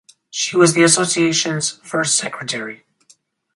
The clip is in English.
She was the Associations's first Secretary.